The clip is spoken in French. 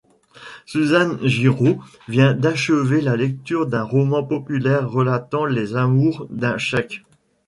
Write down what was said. Suzanne Giraud vient d'achever la lecture d'un roman populaire relatant les amours d'un cheik.